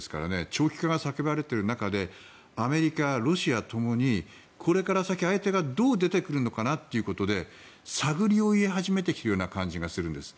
長期化が叫ばれている中でアメリカ、ロシアともにこれから先、相手がどう出てくるのかなということで探りを入れ始めてきているような感じがするんです。